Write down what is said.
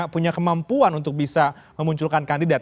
punya kemampuan untuk bisa memunculkan kandidat